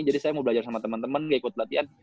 jadi saya mau belajar sama temen temen gak ikut latihan